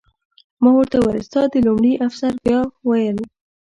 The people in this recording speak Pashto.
ما ورته وویل: ستا د... لومړي افسر بیا وویل.